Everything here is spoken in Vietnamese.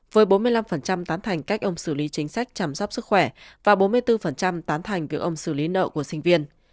với bốn mươi năm tán thành cách ông xử lý chính sách chăm sóc sức khỏe và bốn mươi bốn tán thành việc ông xử lý nợ của sinh viên